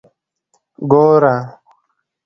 ګوره.